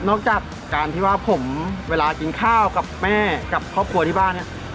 จากการที่ว่าผมเวลากินข้าวกับแม่กับครอบครัวที่บ้านเนี่ย